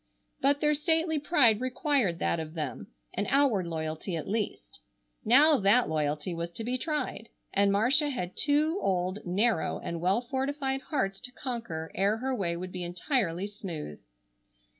But their stately pride required that of them, an outward loyalty at least. Now that loyalty was to be tried, and Marcia had two old, narrow and well fortified hearts to conquer ere her way would be entirely smooth.